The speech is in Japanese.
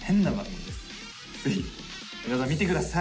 ぜひ皆さん見てください。